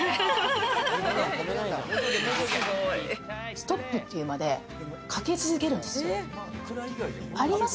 ストップっていうまで、かけ続けるんですよ。あります？